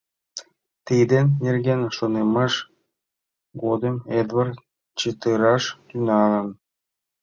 Тидын нерген шонымыж годым Эдвард чытыраш тӱҥалын.